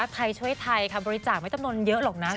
ใครช่วยไทยค่ะบริจาคไม่จำนวนเยอะหรอกนะ